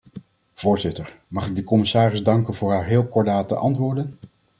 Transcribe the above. Voorzitter, mag ik de commissaris danken voor haar heel kordate antwoorden.